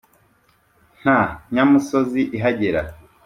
nta nyamusozi ihagera,